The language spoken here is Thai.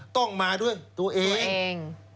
ต้องมาด้วยตัวเอง